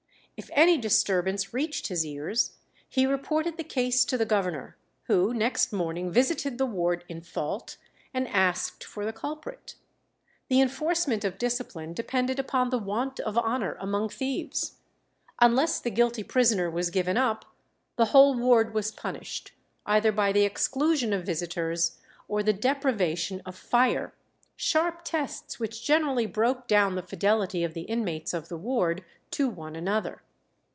If any disturbance reached his ears, he reported the case to the governor, who next morning visited the ward in fault, and asked for the culprit. The enforcement of discipline depended upon the want of honour among thieves. Unless the guilty prisoner was given up, the whole ward was punished, either by the exclusion of visitors or the deprivation of fire, sharp tests which generally broke down the fidelity of the inmates of the ward to one another.